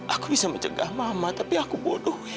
aku bisa mencegah mama tapi aku bodoh